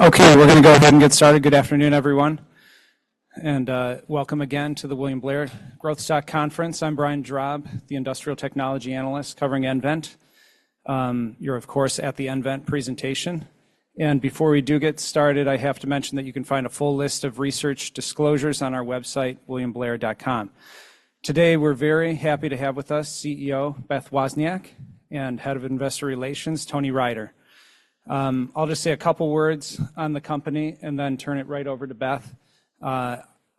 Okay, we're going to go ahead and get started. Good afternoon, everyone, and, welcome again to the William Blair Growth Stock Conference. I'm Brian Drab, the industrial technology analyst covering nVent. You're, of course, at the nVent presentation, and before we do get started, I have to mention that you can find a full list of research disclosures on our website, williamblair.com. Today, we're very happy to have with us CEO, Beth Wozniak, and Head of Investor Relations, Tony Riter. I'll just say a couple words on the company and then turn it right over to Beth.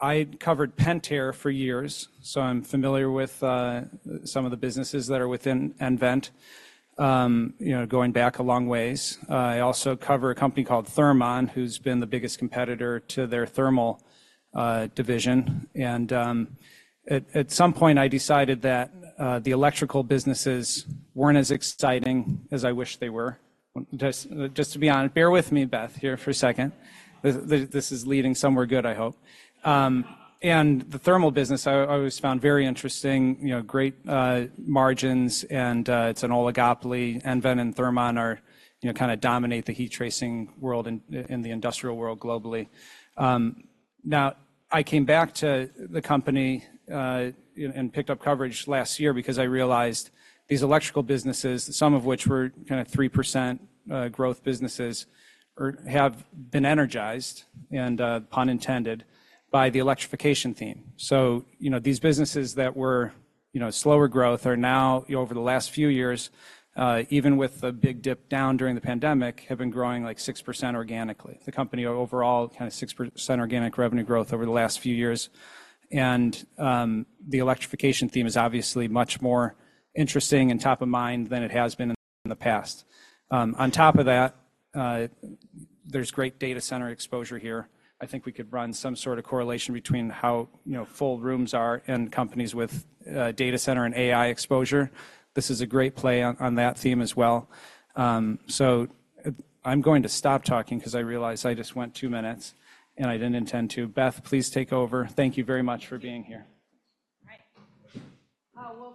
I covered Pentair for years, so I'm familiar with, some of the businesses that are within nVent, you know, going back a long ways. I also cover a company called Thermon, who's been the biggest competitor to their thermal, division. And at some point, I decided that the electrical businesses weren't as exciting as I wished they were. Just to be honest, bear with me, Beth, here for a second. This is leading somewhere good, I hope. And the thermal business I always found very interesting, you know, great margins, and it's an oligopoly, nVent and Thermon are, you know, kind of dominate the heat tracing world in the industrial world globally. Now, I came back to the company, you know, and picked up coverage last year because I realized these electrical businesses, some of which were kind of 3%, growth businesses, have been energized, and pun intended, by the electrification theme. So, you know, these businesses that were, you know, slower growth are now, over the last few years, even with the big dip down during the pandemic, have been growing, like, 6% organically. The company overall, kind of 6% organic revenue growth over the last few years, and, the electrification theme is obviously much more interesting and top of mind than it has been in the past. On top of that, there's great data center exposure here. I think we could run some sort of correlation between how, you know, full rooms are and companies with, data center and AI exposure. This is a great play on, on that theme as well. So I'm going to stop talking 'cause I realize I just went two minutes, and I didn't intend to. Beth, please take over. Thank you very much for being here. Right. Well, good afternoon, everyone. So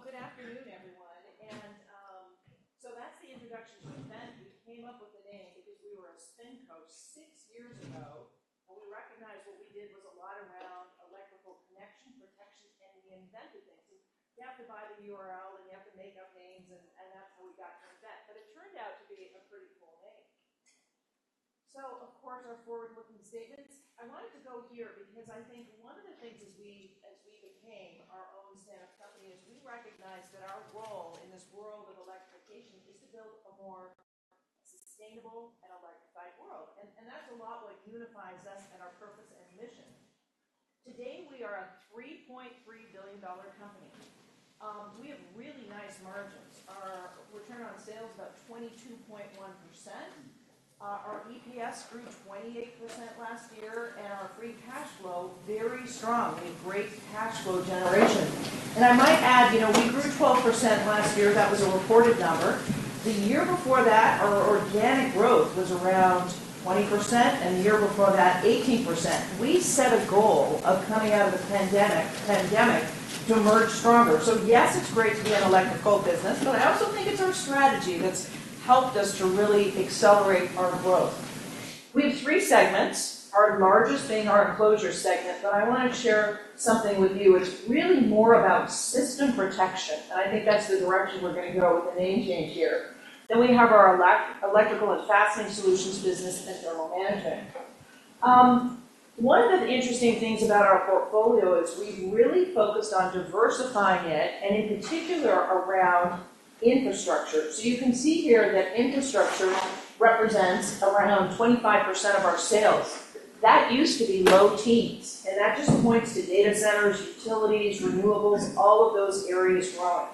that's the introduction to nVent. We came up with the name because we were a SpinCo six years ago, and we recognized what we did was a lot around electrical connection, protection, and we invented things. You have to buy the URL, and you have to make up names, and that's how we got to nVent, but it turned out to be a pretty cool name. So of course, our forward-looking statements, I wanted to go here because I think one of the things as we became our own stand-up company is we recognized that our role in this world of electrification is to build a more sustainable and electrified world, and that's a lot what unifies us and our purpose and mission. Today, we are a $3.3 billion company. We have really nice margins. Our return on sales is about 22.1%. Our EPS grew 28% last year, and our free cash flow, very strong. We have great cash flow generation. And I might add, you know, we grew 12% last year. That was a reported number. The year before that, our organic growth was around 20%, and the year before that, 18%. We set a goal of coming out of the pandemic to emerge stronger. So yes, it's great to be an electrical business, but I also think it's our strategy that's helped us to really accelerate our growth. We have three segments, our largest being our enclosure segment, but I want to share something with you. It's really more about system protection, and I think that's the direction we're going to go with the name change here. Then we have our electrical and fastening solutions business and thermal management. One of the interesting things about our portfolio is we've really focused on diversifying it, and in particular, around infrastructure. So you can see here that infrastructure represents around 25% of our sales. That used to be low teens, and that just points to data centers, utilities, renewables, all of those areas growing.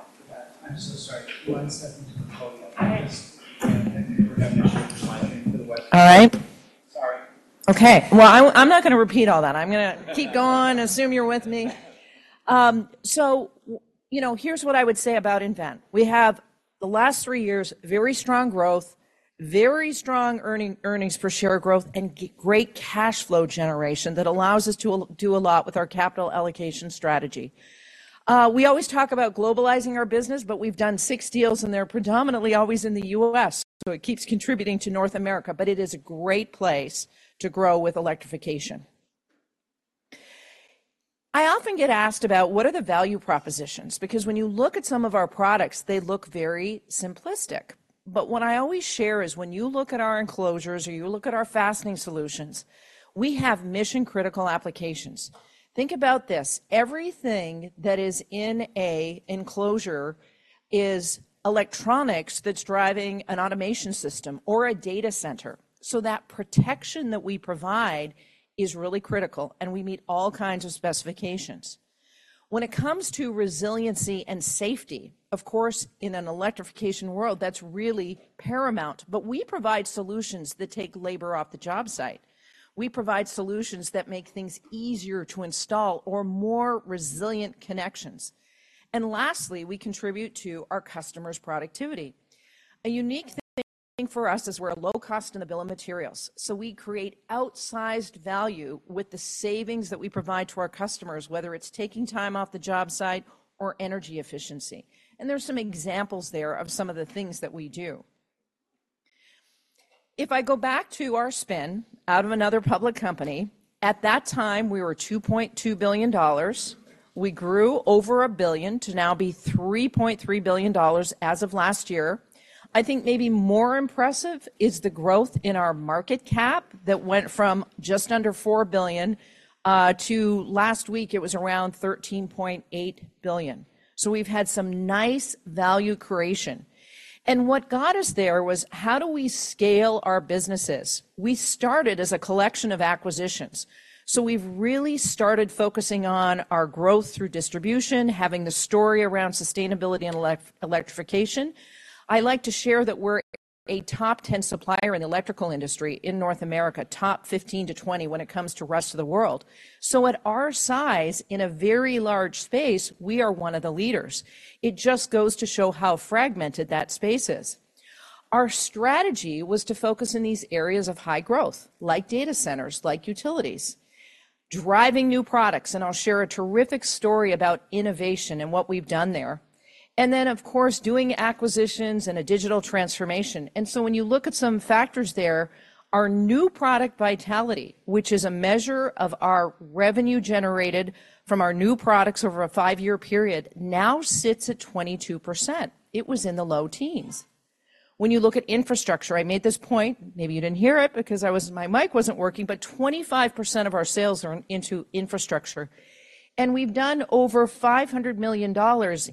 I'm so sorry. One second. All right. We're going to make sure the mic in for the web- All right. Okay, well, I, I'm not going to repeat all that. I'm going to keep going, assume you're with me. So, you know, here's what I would say about nVent. We have, the last three years, very strong growth, very strong earnings per share growth, and great cash flow generation that allows us to do a lot with our capital allocation strategy. We always talk about globalizing our business, but we've done six deals, and they're predominantly always in the U.S., so it keeps contributing to North America, but it is a great place to grow with electrification. I often get asked about: What are the value propositions? Because when you look at some of our products, they look very simplistic. But what I always share is when you look at our enclosures or you look at our fastening solutions, we have mission-critical applications. Think about this: everything that is in a enclosure is electronics that's driving an automation system or a data center. That protection that we provide is really critical, and we meet all kinds of specifications. When it comes to resiliency and safety, of course, in an electrification world, that's really paramount, but we provide solutions that take labor off the job site. We provide solutions that make things easier to install or more resilient connections. Lastly, we contribute to our customers' productivity. A unique thing for us is we're a low cost in the bill of materials, so we create outsized value with the savings that we provide to our customers, whether it's taking time off the job site or energy efficiency. There are some examples there of some of the things that we do. If I go back to our spin out of another public company, at that time, we were $2.2 billion. We grew over a billion to now be $3.3 billion as of last year. I think maybe more impressive is the growth in our market cap that went from just under $4 billion to last week it was around $13.8 billion. So we've had some nice value creation. And what got us there was: how do we scale our businesses? We started as a collection of acquisitions, so we've really started focusing on our growth through distribution, having the story around sustainability and electrification. I like to share that we're a top 10 supplier in the electrical industry in North America, top 15-20 when it comes to rest of the world. So at our size, in a very large space, we are one of the leaders. It just goes to show how fragmented that space is. Our strategy was to focus in these areas of high growth, like data centers, like utilities, driving new products, and I'll share a terrific story about innovation and what we've done there. And then, of course, doing acquisitions and a digital transformation. And so when you look at some factors there, our new product vitality, which is a measure of our revenue generated from our new products over a five-year period, now sits at 22%. It was in the low teens. When you look at infrastructure, I made this point, maybe you didn't hear it because I was, my mic wasn't working, but 25% of our sales are into infrastructure, and we've done over $500 million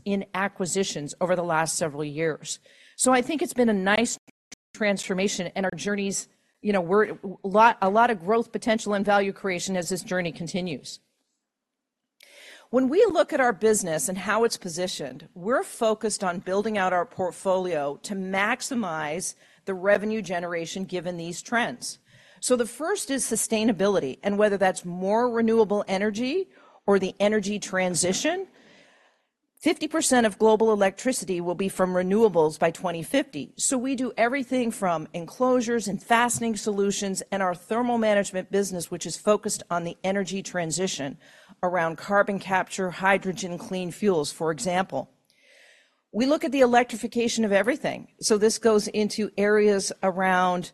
in acquisitions over the last several years. So I think it's been a nice transformation, and our journey's... You know, we're a lot, a lot of growth potential and value creation as this journey continues. When we look at our business and how it's positioned, we're focused on building out our portfolio to maximize the revenue generation given these trends. So the first is sustainability, and whether that's more renewable energy or the energy transition, 50% of global electricity will be from renewables by 2050. So we do everything from enclosures and fastening solutions and our thermal management business, which is focused on the energy transition around carbon capture, hydrogen, clean fuels, for example. We look at the electrification of everything, so this goes into areas around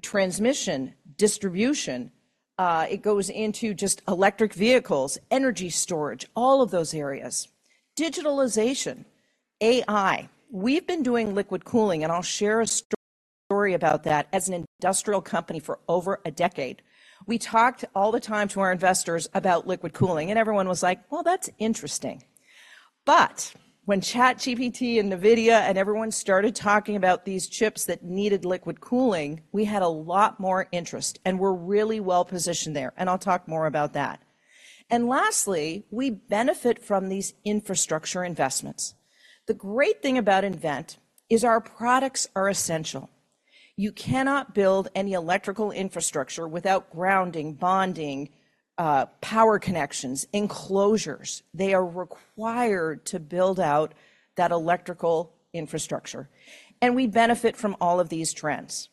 transmission, distribution. It goes into just electric vehicles, energy storage, all of those areas. Digitalization, AI. We've been doing liquid cooling, and I'll share a story about that, as an industrial company for over a decade. We talked all the time to our investors about liquid cooling, and everyone was like: "Well, that's interesting." But when ChatGPT and NVIDIA and everyone started talking about these chips that needed liquid cooling, we had a lot more interest, and we're really well-positioned there, and I'll talk more about that. And lastly, we benefit from these infrastructure investments. The great thing about nVent is our products are essential. You cannot build any electrical infrastructure without grounding, bonding, power connections, enclosures. They are required to build out that electrical infrastructure, and we benefit from all of these trends.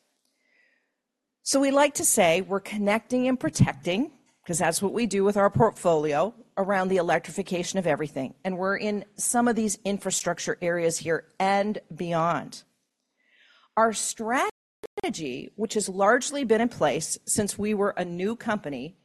So we like to say we're connecting and protecting, 'cause that's what we do with our portfolio, around the electrification of everything, and we're in some of these infrastructure areas here and beyond. Our strategy, which has largely been in place since we were a new company,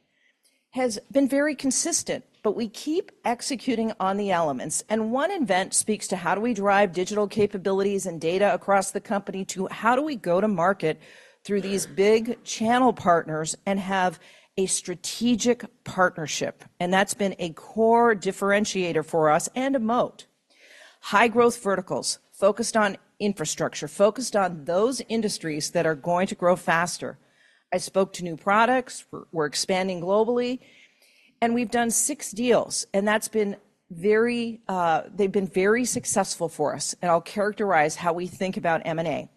has been very consistent, but we keep executing on the elements. And One nVent speaks to how do we drive digital capabilities and data across the company, to how do we go to market through these big channel partners and have a strategic partnership? And that's been a core differentiator for us and a moat. High-growth verticals, focused on infrastructure, focused on those industries that are going to grow faster. I spoke to new products. We're, we're expanding globally, and we've done six deals, and that's been very... They've been very successful for us, and I'll characterize how we think about M&A.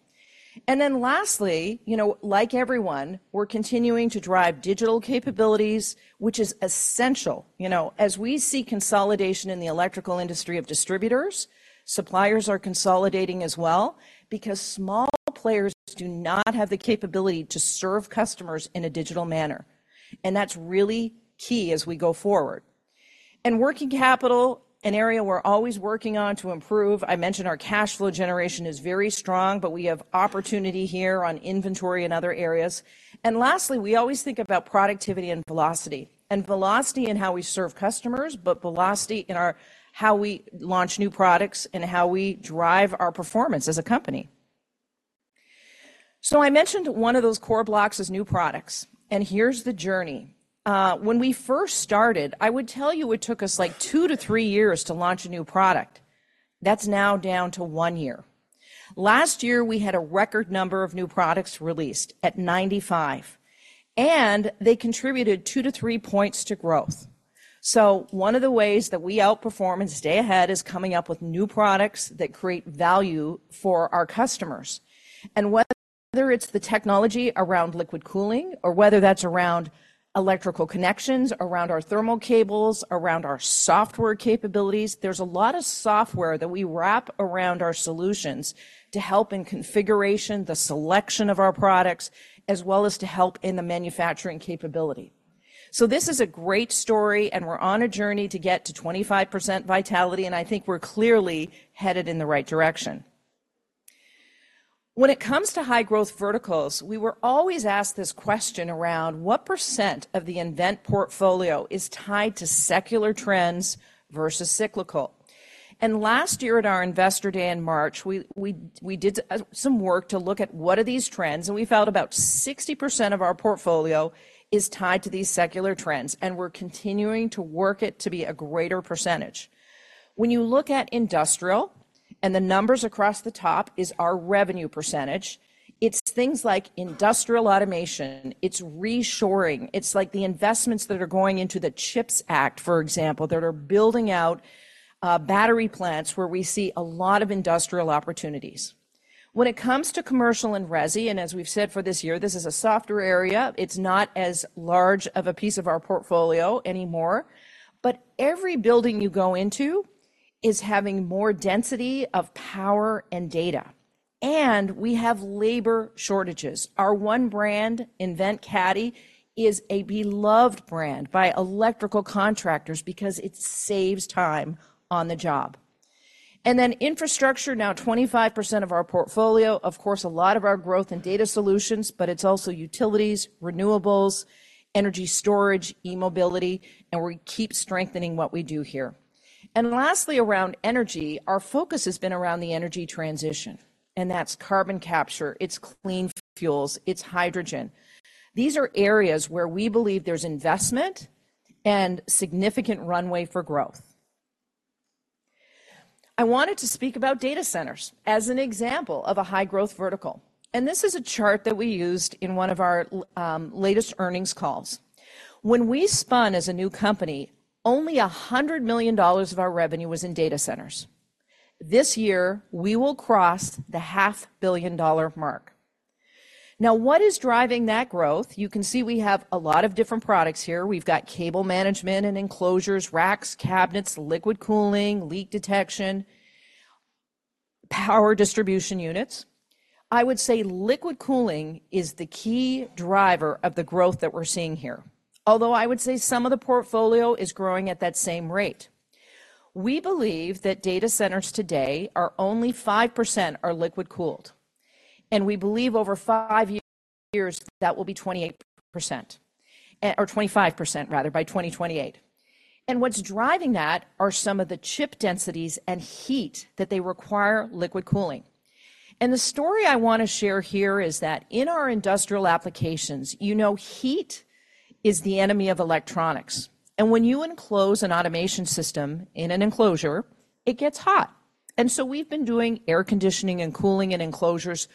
And then lastly, you know, like everyone, we're continuing to drive digital capabilities, which is essential. You know, as we see consolidation in the electrical industry of distributors, suppliers are consolidating as well because small players do not have the capability to serve customers in a digital manner, and that's really key as we go forward. And working capital, an area we're always working on to improve. I mentioned our cash flow generation is very strong, but we have opportunity here on inventory and other areas. Lastly, we always think about productivity and velocity, and velocity in how we serve customers, but velocity in how we launch new products and how we drive our performance as a company. I mentioned one of those core blocks is new products, and here's the journey. When we first started, I would tell you it took us, like, 2-3 years to launch a new product. That's now down to one year. Last year, we had a record number of new products released at 95, and they contributed 2-3 points to growth. One of the ways that we outperform and stay ahead is coming up with new products that create value for our customers. Whether it's the technology around liquid cooling or whether that's around electrical connections, around our thermal cables, around our software capabilities, there's a lot of software that we wrap around our solutions to help in configuration, the selection of our products, as well as to help in the manufacturing capability. This is a great story, and we're on a journey to get to 25% vitality, and I think we're clearly headed in the right direction. When it comes to high-growth verticals, we were always asked this question around: What % of the nVent portfolio is tied to secular trends versus cyclical? Last year at our Investor Day in March, we did some work to look at what are these trends, and we found about 60% of our portfolio is tied to these secular trends, and we're continuing to work it to be a greater percentage. When you look at industrial, and the numbers across the top is our revenue percentage, it's things like industrial automation. It's reshoring. It's, like, the investments that are going into the CHIPS Act, for example, that are building out battery plants, where we see a lot of industrial opportunities. When it comes to commercial and resi, and as we've said for this year, this is a softer area. It's not as large of a piece of our portfolio anymore. But every building you go into is having more density of power and data, and we have labor shortages. Our one brand, nVent CADDY, is a beloved brand by electrical contractors because it saves time on the job. And then infrastructure, now 25% of our portfolio, of course, a lot of our growth in data solutions, but it's also utilities, renewables, energy storage, e-mobility, and we keep strengthening what we do here. And lastly, around energy, our focus has been around the energy transition, and that's carbon capture. It's clean fuels. It's hydrogen. These are areas where we believe there's investment and significant runway for growth. I wanted to speak about data centers as an example of a high-growth vertical, and this is a chart that we used in one of our latest earnings calls. When we spun as a new company, only $100 million of our revenue was in data centers. This year, we will cross the half-billion-dollar mark. Now, what is driving that growth? You can see we have a lot of different products here. We've got cable management and enclosures, racks, cabinets, liquid cooling, leak detection, power distribution units. I would say liquid cooling is the key driver of the growth that we're seeing here, although I would say some of the portfolio is growing at that same rate. We believe that data centers today are only 5% liquid-cooled, and we believe over five years, that will be 28%, or 25%, rather, by 2028. And what's driving that are some of the chip densities and heat, that they require liquid cooling. And the story I want to share here is that in our industrial applications, you know, heat is the enemy of electronics, and when you enclose an automation system in an enclosure, it gets hot. And so we've been doing air conditioning and cooling and enclosures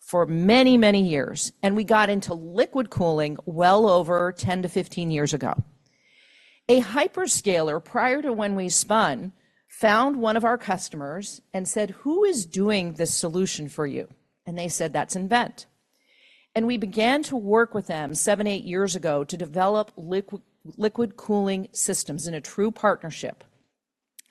for many, many years, and we got into liquid cooling well over 10-15 years ago. A hyperscaler, prior to when we spun, found one of our customers and said, "Who is doing this solution for you?" And they said, "That's nVent." And we began to work with them 7-8 years ago to develop liquid, liquid cooling systems in a true partnership.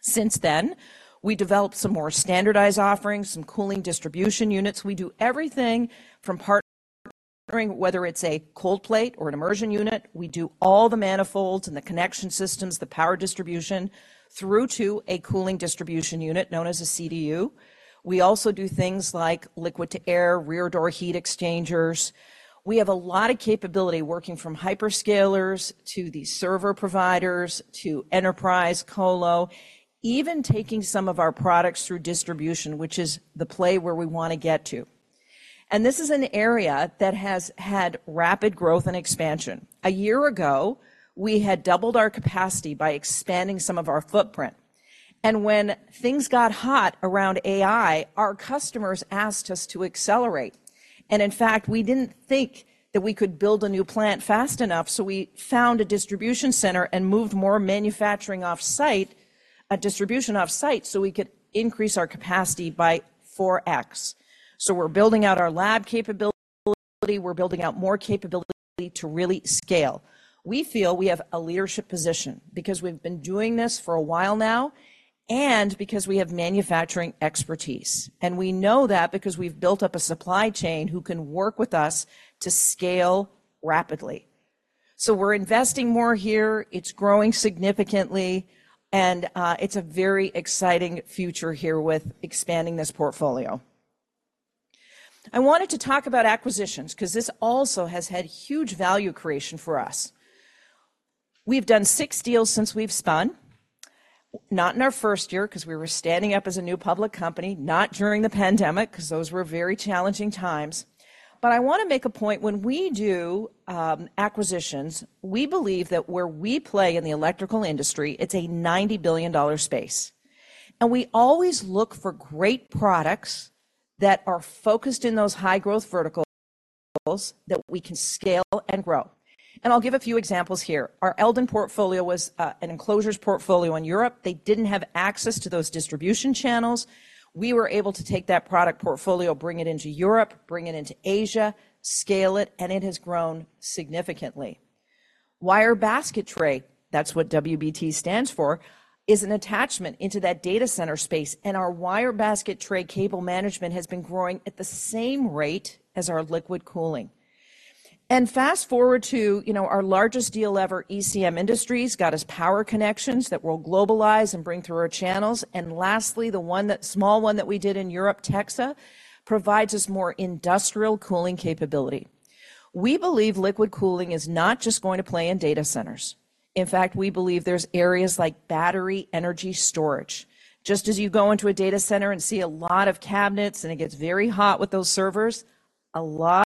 Since then, we developed some more standardized offerings, some cooling distribution units. We do everything from partnering, whether it's a cold plate or an immersion unit. We do all the manifolds and the connection systems, the power distribution, through to a cooling distribution unit, known as a CDU. We also do things like liquid-to-air rear door heat exchangers. We have a lot of capability working from hyperscalers to the server providers to enterprise colo, even taking some of our products through distribution, which is the play where we want to get to. This is an area that has had rapid growth and expansion. A year ago, we had doubled our capacity by expanding some of our footprint, and when things got hot around AI, our customers asked us to accelerate. In fact, we didn't think that we could build a new plant fast enough, so we found a distribution center and moved more manufacturing off-site, distribution off-site, so we could increase our capacity by 4x. We're building out our lab capability. We're building out more capability to really scale. We feel we have a leadership position because we've been doing this for a while now and because we have manufacturing expertise, and we know that because we've built up a supply chain who can work with us to scale rapidly. So we're investing more here. It's growing significantly, and it's a very exciting future here with expanding this portfolio. I wanted to talk about acquisitions 'cause this also has had huge value creation for us. We've done six deals since we've spun, not in our first year, 'cause we were standing up as a new public company, not during the pandemic, 'cause those were very challenging times. But I want to make a point: When we do acquisitions, we believe that where we play in the electrical industry, it's a $90 billion space, and we always look for great products that are focused in those high-growth vertical... that we can scale and grow. And I'll give a few examples here. Our Eldon portfolio was an enclosures portfolio in Europe. They didn't have access to those distribution channels. We were able to take that product portfolio, bring it into Europe, bring it into Asia, scale it, and it has grown significantly. Wire basket tray, that's what WBT stands for, is an attachment into that data center space, and our wire basket tray cable management has been growing at the same rate as our liquid cooling.... Fast-forward to, you know, our largest deal ever, ECM Industries, got us power connections that we'll globalize and bring through our channels. And lastly, the small one that we did in Europe, TEXA, provides us more industrial cooling capability. We believe liquid cooling is not just going to play in data centers. In fact, we believe there's areas like battery energy storage. Just as you go into a data center and see a lot of cabinets, and it gets very hot with those servers, a lot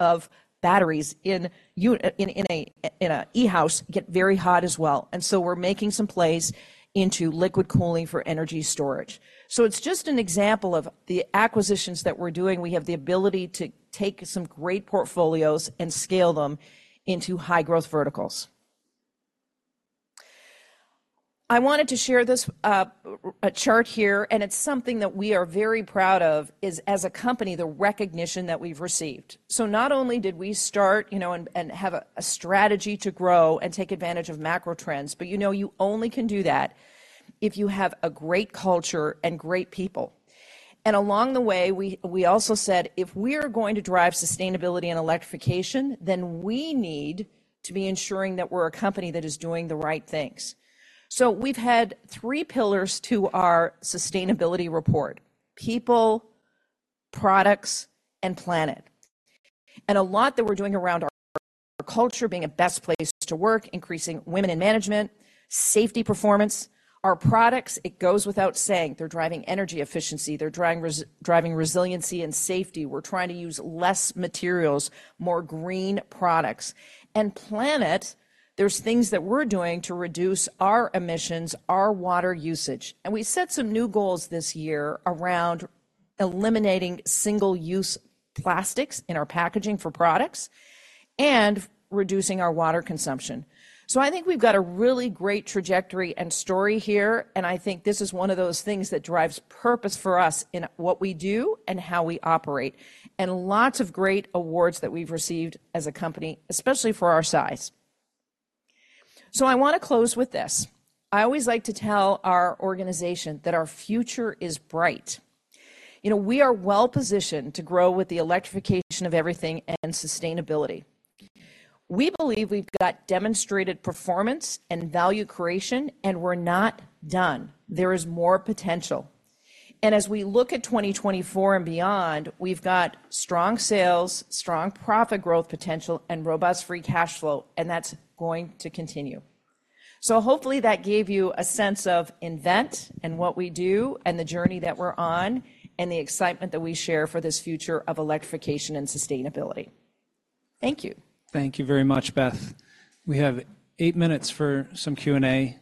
of batteries in an e-house get very hot as well, and so we're making some plays into liquid cooling for energy storage. So it's just an example of the acquisitions that we're doing. We have the ability to take some great portfolios and scale them into high-growth verticals. I wanted to share this, a chart here, and it's something that we are very proud of, as a company, the recognition that we've received. So not only did we start, you know, and have a strategy to grow and take advantage of macro trends, but, you know, you only can do that if you have a great culture and great people. And along the way, we also said, "If we're going to drive sustainability and electrification, then we need to be ensuring that we're a company that is doing the right things." So we've had three pillars to our sustainability report: people, products, and planet. And a lot that we're doing around our culture, being a best place to work, increasing women in management, safety performance. Our products, it goes without saying, they're driving energy efficiency. They're driving resiliency and safety. We're trying to use less materials, more green products. And planet, there's things that we're doing to reduce our emissions, our water usage, and we set some new goals this year around eliminating single-use plastics in our packaging for products and reducing our water consumption. So I think we've got a really great trajectory and story here, and I think this is one of those things that drives purpose for us in what we do and how we operate, and lots of great awards that we've received as a company, especially for our size. So I want to close with this. I always like to tell our organization that our future is bright. You know, we are well positioned to grow with the electrification of everything and sustainability. We believe we've got demonstrated performance and value creation, and we're not done. There is more potential, and as we look at 2024 and beyond, we've got strong sales, strong profit growth potential, and robust free cash flow, and that's going to continue. So hopefully that gave you a sense of nVent and what we do and the journey that we're on, and the excitement that we share for this future of electrification and sustainability. Thank you. Thank you very much, Beth. We have eight minutes for some Q&A.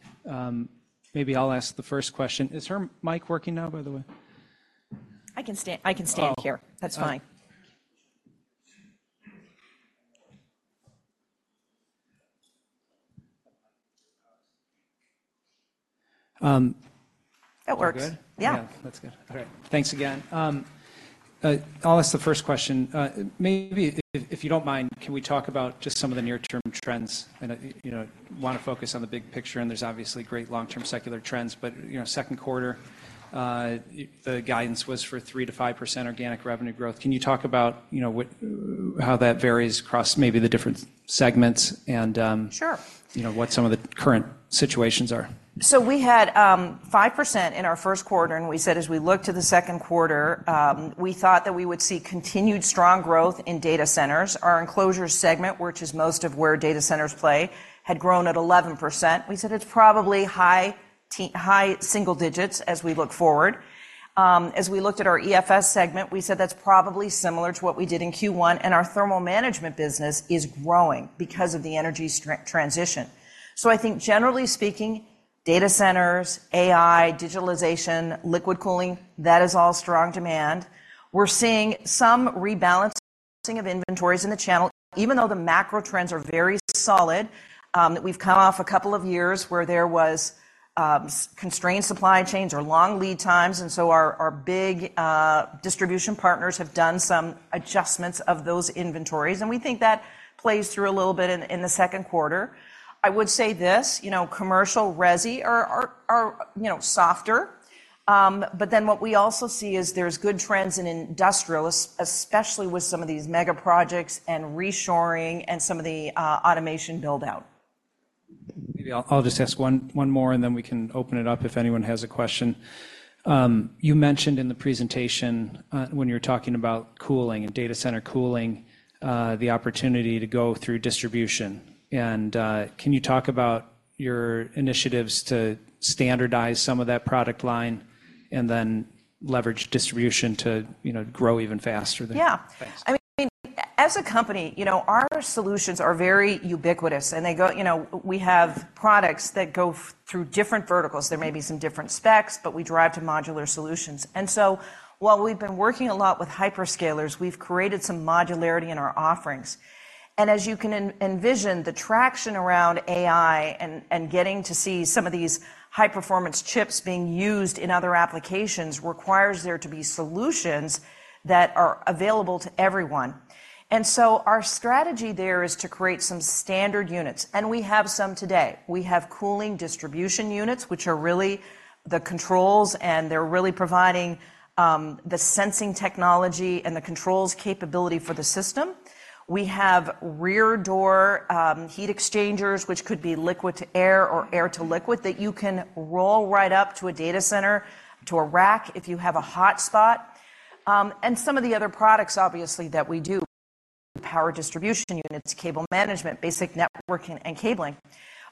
Maybe I'll ask the first question. Is her mic working now, by the way? I can stand, I can stand here. Oh. That's fine. Um... That works. We're good? Yeah. Yeah. That's good. All right. Thanks again. I'll ask the first question. Maybe if, if you don't mind, can we talk about just some of the near-term trends, and, you know, want to focus on the big picture, and there's obviously great long-term secular trends, but, you know, second quarter, the guidance was for 3%-5% organic revenue growth. Can you talk about, you know, what... How that varies across maybe the different segments, and Sure. You know, what some of the current situations are? So we had 5% in our first quarter, and we said as we look to the second quarter, we thought that we would see continued strong growth in data centers. Our enclosures segment, which is most of where data centers play, had grown at 11%. We said it's probably high single digits as we look forward. As we looked at our EFS segment, we said that's probably similar to what we did in Q1, and our thermal management business is growing because of the energy transition. So I think generally speaking, data centers, AI, digitalization, liquid cooling, that is all strong demand. We're seeing some rebalancing of inventories in the channel, even though the macro trends are very solid, that we've come off a couple of years where there was constrained supply chains or long lead times, and so our big distribution partners have done some adjustments of those inventories, and we think that plays through a little bit in the second quarter. I would say this, you know, commercial resi are softer. But then what we also see is there's good trends in industrial, especially with some of these mega projects and reshoring and some of the automation build-out. Maybe I'll just ask one more, and then we can open it up if anyone has a question. You mentioned in the presentation, when you were talking about cooling and data center cooling, the opportunity to go through distribution, and can you talk about your initiatives to standardize some of that product line and then leverage distribution to, you know, grow even faster there? Yeah. Thanks. I mean, as a company, you know, our solutions are very ubiquitous, and they go, you know. We have products that go through different verticals. There may be some different specs, but we drive to modular solutions. And so, while we've been working a lot with hyperscalers, we've created some modularity in our offerings. And as you can envision, the traction around AI and getting to see some of these high-performance chips being used in other applications requires there to be solutions that are available to everyone. And so our strategy there is to create some standard units, and we have some today. We have cooling distribution units, which are really the controls, and they're really providing the sensing technology and the controls capability for the system. We have rear door heat exchangers, which could be liquid to air or air to liquid, that you can roll right up to a data center, to a rack if you have a hot spot, and some of the other products obviously that we do: power distribution units, cable management, basic networking and cabling.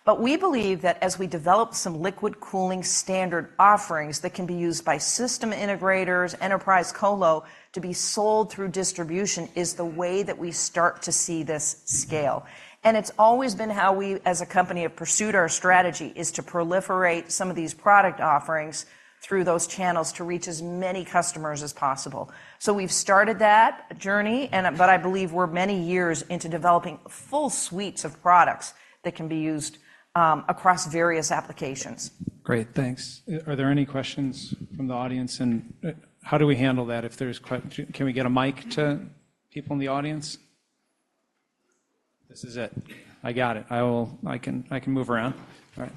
But we believe that as we develop some liquid cooling standard offerings that can be used by system integrators, enterprise colo, to be sold through distribution, is the way that we start to see this scale. And it's always been how we, as a company, have pursued our strategy, is to proliferate some of these product offerings through those channels to reach as many customers as possible. So we've started that journey, and, but I believe we're many years into developing full suites of products that can be used across various applications. Great, thanks. Are there any questions from the audience, and how do we handle that? If there's, can we get a mic to people in the audience? This is it. I got it. I will. I can move around. All right.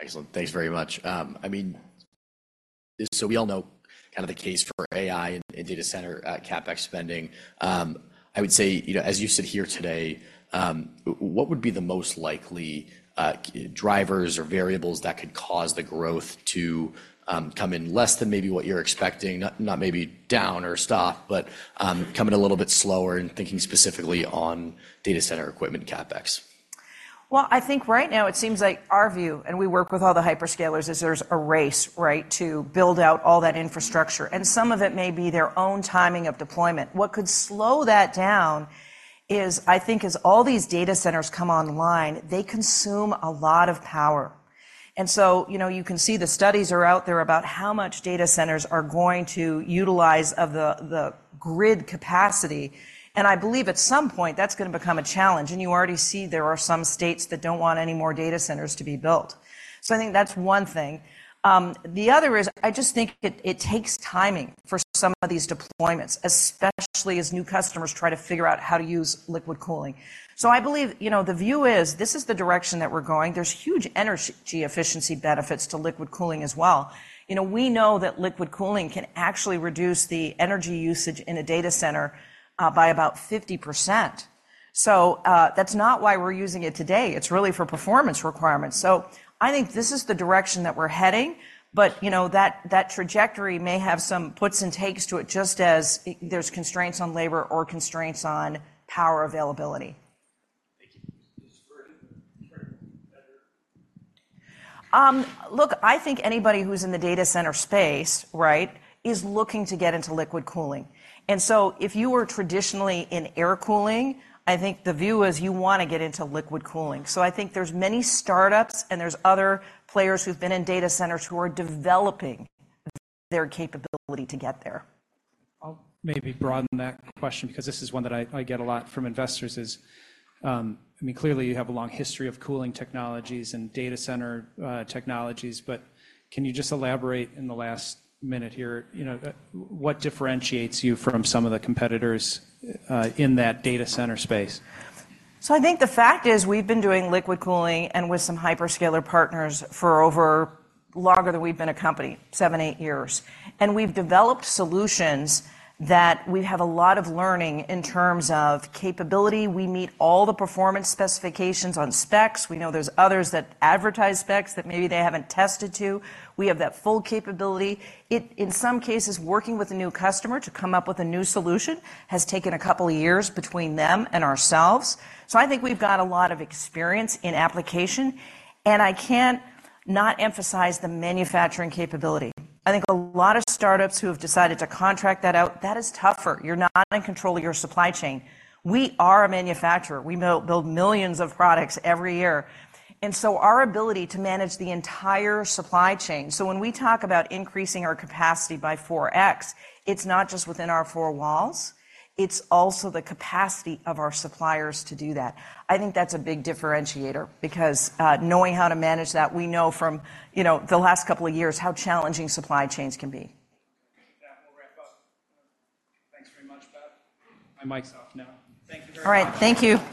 Excellent. Thanks very much. I mean, so we all know kind of the case for AI and data center, CapEx spending. I would say, you know, as you sit here today, what would be the most likely, drivers or variables that could cause the growth to, come in less than maybe what you're expecting? Not, not maybe down or stop, but, coming a little bit slower and thinking specifically on data center equipment CapEx. Well, I think right now it seems like our view, and we work with all the hyperscalers, is there's a race, right, to build out all that infrastructure, and some of it may be their own timing of deployment. What could slow that down is, I think, as all these data centers come online, they consume a lot of power. And so, you know, you can see the studies are out there about how much data centers are going to utilize of the grid capacity, and I believe at some point that's gonna become a challenge. And you already see there are some states that don't want any more data centers to be built. So I think that's one thing. The other is, I just think it takes timing for some of these deployments, especially as new customers try to figure out how to use liquid cooling. So I believe, you know, the view is this is the direction that we're going. There's huge energy efficiency benefits to liquid cooling as well. You know, we know that liquid cooling can actually reduce the energy usage in a data center by about 50%. So, that's not why we're using it today. It's really for performance requirements. So I think this is the direction that we're heading, but, you know, that, that trajectory may have some puts and takes to it, just as there's constraints on labor or constraints on power availability. Thank you. Look, I think anybody who's in the data center space, right, is looking to get into liquid cooling. And so if you were traditionally in air cooling, I think the view is you wanna get into liquid cooling. So I think there's many startups, and there's other players who've been in data centers who are developing their capability to get there. I'll maybe broaden that question because this is one that I get a lot from investors is, I mean, clearly, you have a long history of cooling technologies and data center technologies, but can you just elaborate in the last minute here, you know, what differentiates you from some of the competitors in that data center space? So I think the fact is we've been doing liquid cooling and with some hyperscaler partners for over... longer than we've been a company, seven, eight years. And we've developed solutions that we have a lot of learning in terms of capability. We meet all the performance specifications on specs. We know there's others that advertise specs that maybe they haven't tested to. We have that full capability. In some cases, working with a new customer to come up with a new solution has taken a couple of years between them and ourselves. So I think we've got a lot of experience in application, and I can't not emphasize the manufacturing capability. I think a lot of startups who have decided to contract that out, that is tougher. You're not in control of your supply chain. We are a manufacturer. We build millions of products every year, and so our ability to manage the entire supply chain. So when we talk about increasing our capacity by 4x, it's not just within our four walls, it's also the capacity of our suppliers to do that. I think that's a big differentiator because, knowing how to manage that, we know from, you know, the last couple of years how challenging supply chains can be. With that, we'll wrap up. Thanks very much, Beth. My mic's off now. Thank you very much. All right. Thank you.